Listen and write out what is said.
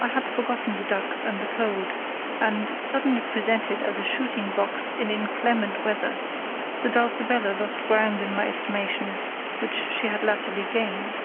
I had forgotten the ducks and the cold, and, suddenly presented as a shooting box in inclement weather, the Dulcibella lost ground in my estimation, which she had latterly gained.